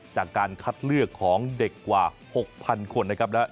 จากการคัดเลือกของเด็กกว่า๖๐๐๐คนนะครับ